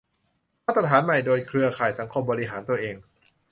มาตรฐานใหม่โดย เครือข่ายสังคมบริหารตัวเอง